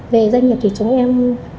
về doanh nghiệp thì chúng em